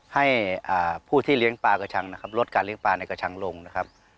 ให้ผู้ที่เลี้ยงปลากระชังนะครับลดการเลี้ยปลาในกระชังลงนะครับ